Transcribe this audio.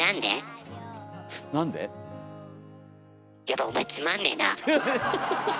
やっぱお前つまんねえな。